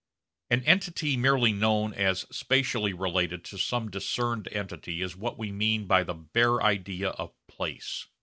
An entity merely known as spatially related to some discerned entity is what we mean by the bare idea of 'place.'